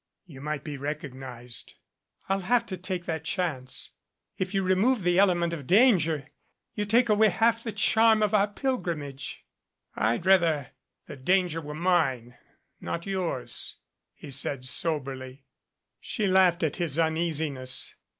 "You might be recognized." "I'll have to take that chance. If you remove the element of danger you take away half the charm of our pilgrimage." "I'd rather the danger were mine not yours," he said soberly. She laughed at his uneasiness.